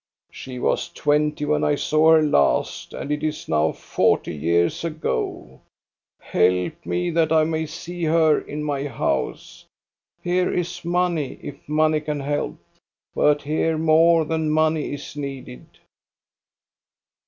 She was twenty when I saw her last, and it is now forty years ago ! Help me, that I may see her in my house! Here is money, if money can help, but here more than money is needed."